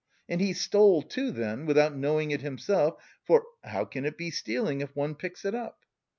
And he stole, too, then, without knowing it himself, for 'How can it be stealing, if one picks it up?